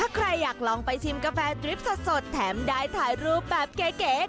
ใครอยากลองไปชิมกาแฟทริปสดแถมได้ถ่ายรูปแบบเก๋